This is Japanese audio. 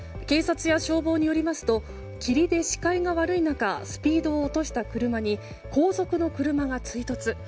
警察や消防によりますと霧で視界が悪い中スピードを落とした車に後続の車が追突。